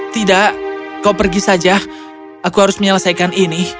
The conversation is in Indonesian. tidak kau pergi saja aku harus menyelesaikan ini